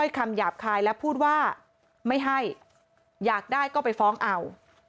คำหยาบคายและพูดว่าไม่ให้อยากได้ก็ไปฟ้องเอา